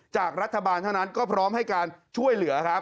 จากรัฐบาลเท่านั้นก็พร้อมให้การช่วยเหลือครับ